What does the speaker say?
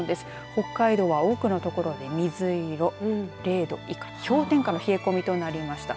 北海道は多くの所で水色０度以下、氷点下の冷え込みとなりました。